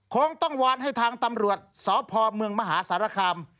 คงต้องวานให้ทางตำรวจสพมมหาศาลคาม